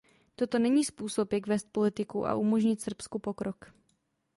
Toto není způsob, jak vést politiku a umožnit Srbsku pokrok.